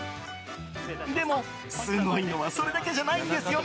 でも、すごいのはそれだけじゃないんですよね